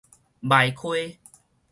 眉溪